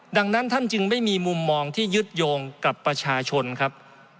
ดังนั้นท่านจึงไม่มีมุมมองที่ยึดโยงกับประชาชนครับ